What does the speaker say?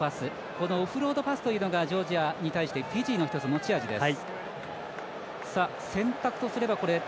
このオフロードパスというのがジョージアに対してフィジーの持ち味です。